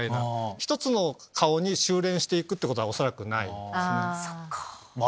１つの顔に収れんして行くことは恐らくないですね。